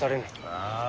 ああ。